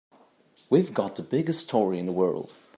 We've got the biggest story in the world.